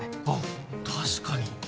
あっ確かに！